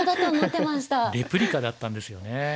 レプリカだったんですよね。